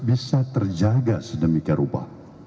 bisa terjaga sedemikian rupa